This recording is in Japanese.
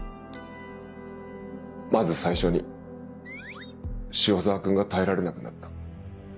まず最初に塩澤君が耐えられなくなった。